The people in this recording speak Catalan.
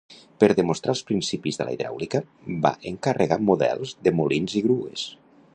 Per demostrar els principis de la hidràulica va encarregar models de molins i grues.